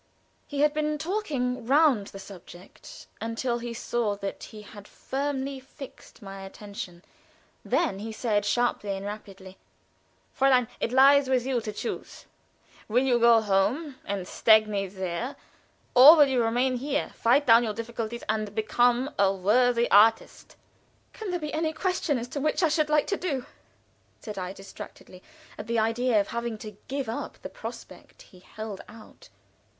He had been talking round the subject until he saw that he had fairly fixed my attention; then he said, sharply and rapidly: "Fräulein, it lies with you to choose. Will you go home and stagnate there, or will you remain here, fight down your difficulties, and become a worthy artist?" "Can there be any question as to which I should like to do?" said I, distracted at the idea of having to give up the prospect he held out.